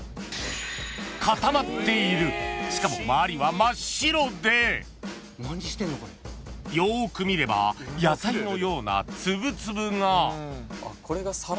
［しかも周りは真っ白でよく見れば野菜のような粒々が］